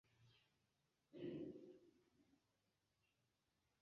Povas esti alia surdulo en via strato, sed vi simple ne konas tiun.